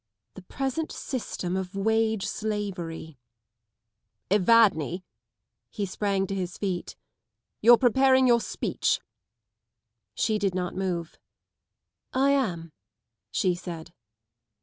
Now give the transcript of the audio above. ..." The present system of wage slavery ..."" Evadne 1 " He sprang to his feet. *' You're preparing your speech !" She did not move. " I am," she said.